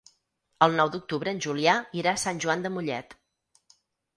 El nou d'octubre en Julià irà a Sant Joan de Mollet.